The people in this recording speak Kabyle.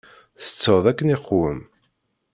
Tsetteḍ akken iqwem?